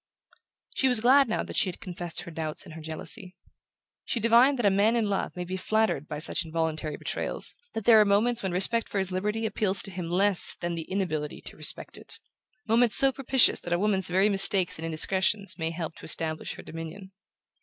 She was glad now that she had confessed her doubts and her jealousy. She divined that a man in love may be flattered by such involuntary betrayals, that there are moments when respect for his liberty appeals to him less than the inability to respect it: moments so propitious that a woman's very mistakes and indiscretions may help to establish her dominion.